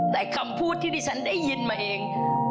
แต่คำพูดที่ดิฉันได้ยินมาเอง